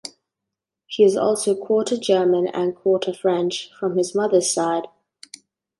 He is also quarter German and quarter French from his mother's side.